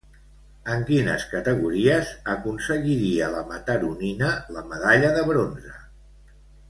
En quines categories aconseguiria la mataronina la medalla de bronze?